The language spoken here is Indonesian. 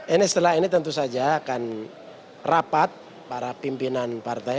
ini setelah ini tentu saja akan rapat para pimpinan partai